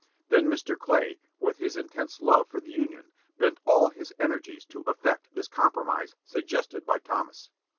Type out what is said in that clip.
Then Mr. Clay, with his intense love for the Union, bent all his energies to effect this compromise suggested by Thomas.